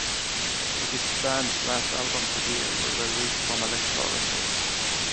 It is the band's last album to be released from Elektra Records.